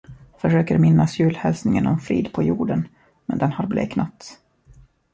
Försöker minnas julhälsningen om frid på jorden, men den har bleknat.